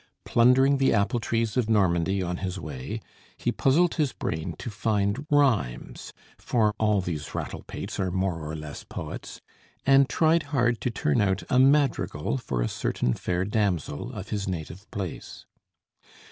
Plundering the apple trees of Normandy on his way, he puzzled his brain to find rhymes (for all these rattlepates are more or less poets), and tried hard to turn out a madrigal for a certain fair damsel of his native place.